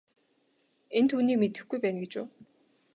Энэ түүнийг мэдэхгүй байна гэж үү.